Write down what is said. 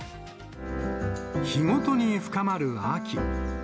日ごとに深まる秋。